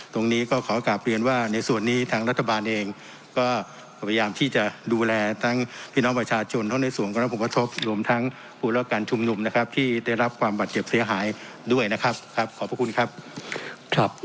ตรงนี้ก็ขอกลับเรียนว่าในส่วนนี้ทางรัฐบาลเองก็พยายามที่จะดูแลทั้งพี่น้องประชาชนทั้งในส่วนของรับผลกระทบรวมทั้งหัวและการชุมนุมนะครับที่ได้รับความบาดเจ็บเสียหายด้วยนะครับครับขอบพระคุณครับ